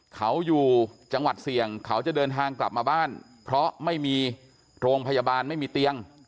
เขาอยู่จังหวัดเสี่ยงเขาจะเดินทางกลับมาบ้านเพราะไม่มีโรงพยาบาลไม่มีเตียง